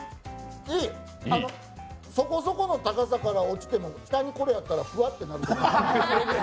そこそこの高さから落ちても、下にこれあったら、ふわってなると思います。